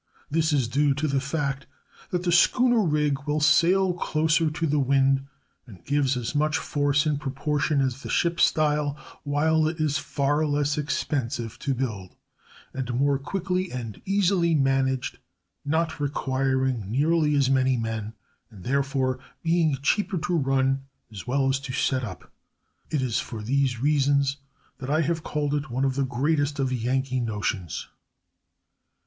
This is due to the fact that the schooner rig will sail closer to the wind and gives as much force in proportion as the ship style, while it is far less expensive to build, and more quickly and easily managed, not requiring nearly as many men, and therefore being cheaper to run as well as to set up. It is for these reasons that I have called it one of the greatest of Yankee notions.